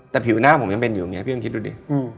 แต่ผิวหน้าผมยังเป็นอยู่อย่างนี้พี่ยังคิดดูดิ